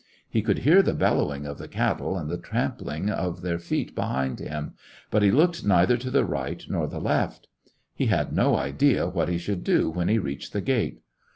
He could hear the bel lowing of the cattle and the tramping of their feet behind him, but he looked neither to the right nor the left. He had no idea what he should do when he reached the gate.